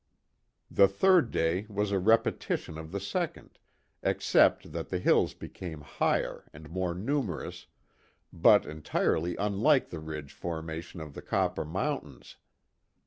The third day was a repetition of the second, except that the hills became higher and more numerous, but entirely unlike the ridge formation of the Copper Mountains.